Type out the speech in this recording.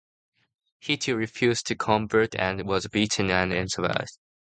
He too refused to convert and was beaten and enslaved.